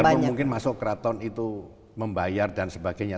ya biarpun mungkin masuk keraton itu membayar dan sebagainya